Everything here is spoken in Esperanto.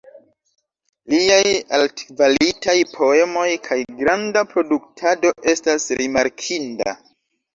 Liaj altkvalitaj poemoj kaj granda produktado estas rimarkinda.